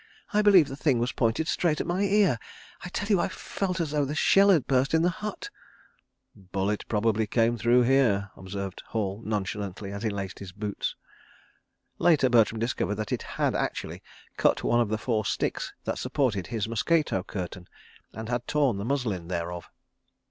"I believe the thing was pointed straight at my ear. I tell you—I felt as though a shell had burst in the hut." "Bullet probably came through here," observed Hall nonchalantly as he laced his boots. (Later Bertram discovered that it had actually cut one of the four sticks that supported his mosquito curtain, and had torn the muslin thereof.)